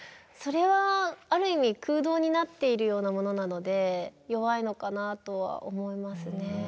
それはある意味空洞になっているようなものなので弱いのかなとは思いますね。